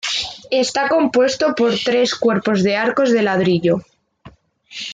Está compuesto por tres cuerpos de arcos de ladrillo.